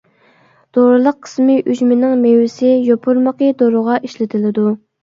دورىلىق قىسمى ئۈجمىنىڭ مېۋىسى، يوپۇرمىقى دورىغا ئىشلىتىلىدۇ.